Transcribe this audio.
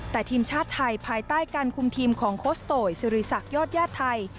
แต่ทีมชาติไทยภายใต้การคุมทีมของโค้ชโตยสิริษักยอดญาติไทย